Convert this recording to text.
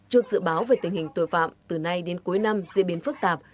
trước dự báo về tình hình tội phạm từ nay đến cuối năm diễn biến phức tạp